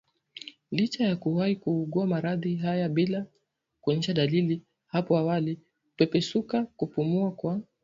licha ya kuwahi kuugua maradhi haya bila kuonyesha dalili hapo awali kupepesuka kupumua kwa